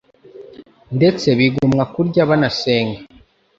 ndetse bigomwa kurya banasenga,